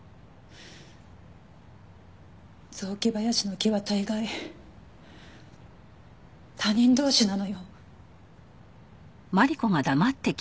雑木林の木は大概他人同士なのよ。